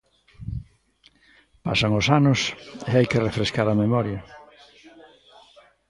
Pasan os anos e hai que refrescar a memoria.